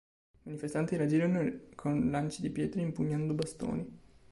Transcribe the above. I manifestanti reagirono con lanci di pietre e impugnando bastoni.